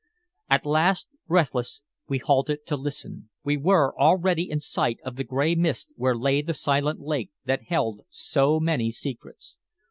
At last, breathless, we halted to listen. We were already in sight of the gray mist where lay the silent lake that held so many secrets.